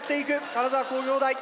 金沢工業大